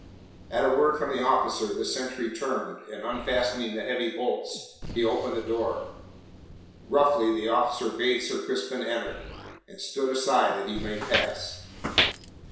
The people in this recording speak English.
At a word from the officer the sentry turned, and unfastening the heavy bolts, he opened the door. Roughly the officer bade Sir Crispin enter, and stood aside that he might pass.